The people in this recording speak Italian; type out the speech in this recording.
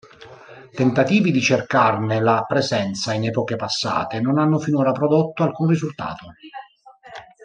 Tentativi di cercarne la presenza in epoche passate non hanno finora prodotto alcun risultato.